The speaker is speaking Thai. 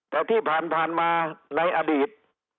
แต่ที่ผ่านมาในอดีต